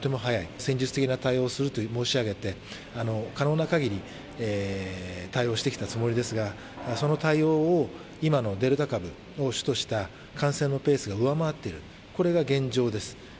戦術的な対応をすると申し上げて、可能なかぎり対応してきたつもりですが、その対応を、今のデルタ株を主とした感染のペースが上回っている、これが現状です。